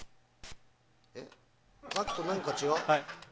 さっきと何か違う？